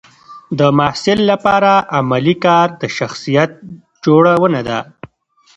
د محصل لپاره علمي کار د شخصیت جوړونه ده.